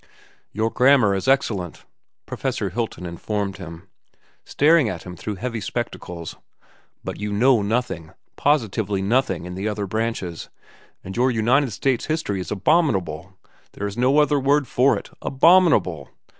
"Your grammar is excellent," Professor Hilton informed him, staring at him through heavy spectacles; "but you know nothing, positively nothing, in the other branches, and your United States history is abominable—there is no other word for it, abominable.